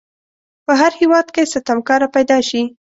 په هر هیواد کې ستمکاره پیداشي.